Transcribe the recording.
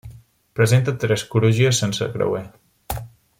Presenta tres crugies sense creuer.